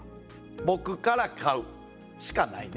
僕から買う、しかないね。